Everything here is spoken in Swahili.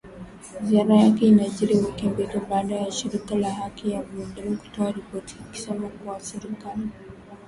Ziara yake inajiri wiki mbili baada ya shirika la Haki ya binadamu kutoa ripoti ikisema kuwa serikali inatumia vituo vya siri vinavyojulikana kama nyumba salama